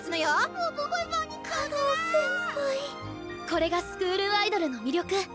これがスクールアイドルの魅力。